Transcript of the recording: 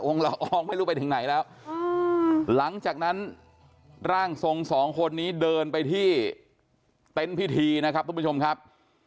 ละอองไม่รู้ไปถึงไหนแล้วหลังจากนั้นร่างทรงสองคนนี้เดินไปที่เต็นต์พิธีนะครับทุกผู้ชมครับ